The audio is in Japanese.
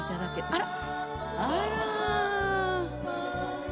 あら。